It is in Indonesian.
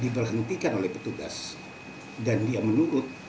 diberhentikan oleh petugas dan dia menurut